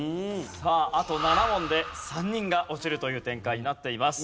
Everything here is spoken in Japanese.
さああと７問で３人が落ちるという展開になっています。